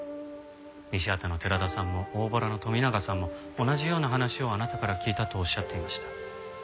西畑の寺田さんも大洞の富永さんも同じような話をあなたから聞いたとおっしゃっていました。